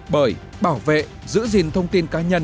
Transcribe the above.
bởi bảo vệ giữ gìn thông tin cá nhân